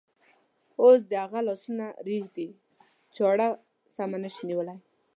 اوس د هغه لاسونه رېږدي، چاړه سمه نشي نیولی.